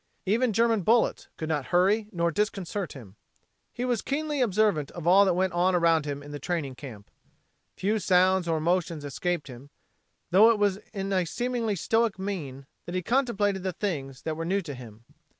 Even German bullets could not hurry nor disconcert him. He was keenly observant of all that went on around him in the training camp. Few sounds or motions escaped him, though it was in a seemingly stoic mien that he contemplated the things that were new to him.